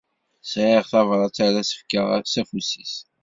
Sɛiɣ tabrat ara as-fkeɣ s afus-is.